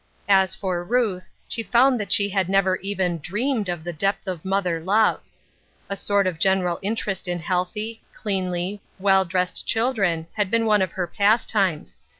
As for Ruth, she found that she had never even dreamed of the depth of mother love. A sort of general interest in healthy, cleanly, well dressed children had been one of her pastimes.